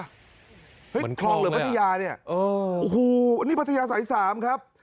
เห้ยคลองเหลือพัทยานี่โอ้โฮนี่พัทยาสาย๓ครับ